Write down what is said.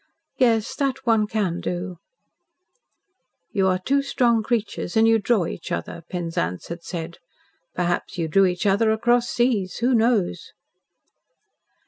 "Yes. That one can do." "You are two strong creatures and you draw each other," Penzance had said. "Perhaps you drew each other across seas. Who knows?"